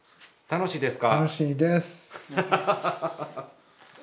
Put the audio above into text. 楽しいです。